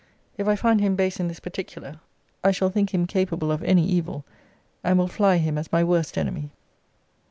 If I find him base in this particular, I shall think him capable of any evil; and will fly him as my worst enemy.